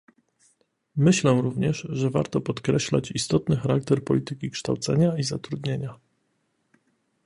Myślę również, że warto podkreślać istotny charakter polityki kształcenia i zatrudnienia